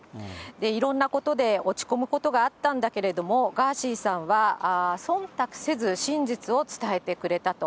いろんなことで落ち込むことがあったんだけれども、ガーシーさんはそんたくせず真実を伝えてくれたと。